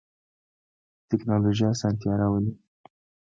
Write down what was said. تکنالوژی اسانتیا راولی